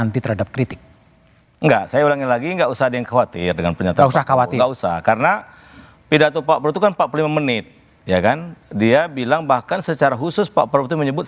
tidak hai tidak tepat perutukan seribu sembilan ratus empat puluh lima r ya kan dia bilang bahkan secara khusus pak berarti menyebut